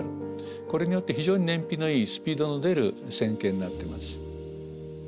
これによって非常に燃費のいいスピードの出る船型になってます。